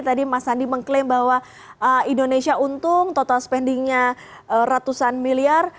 tadi mas andi mengklaim bahwa indonesia untung total spendingnya ratusan miliar